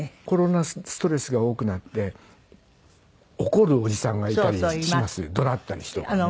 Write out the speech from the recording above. コロナストレスが多くなって怒るおじさんがいたりします。